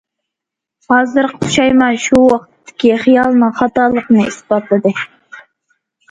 ھازىرقى پۇشايمان شۇ ۋاقىتتىكى خىيالنىڭ خاتالىقىنى ئىسپاتلىدى.